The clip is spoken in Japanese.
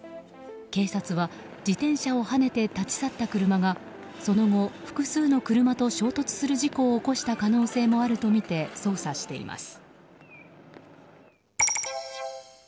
警察は自転車をはねて立ち去った車がその後、複数の車と衝突する事故を起こした可能性もあるとみて捜査しています。